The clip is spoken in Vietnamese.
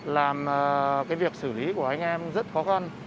làm cái việc xử lý của anh em rất khó khăn